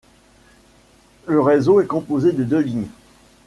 Le réseau est composé de deux lignes.